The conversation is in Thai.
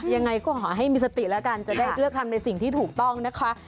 ยังไงก็ขอให้มีสติแล้วกันจะได้เลือกทำในสิ่งที่ถูกต้องนะคะ